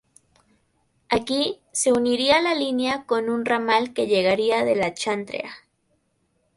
Aquí, se uniría la línea con un ramal que llegaría de la Chantrea.